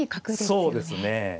そうですね。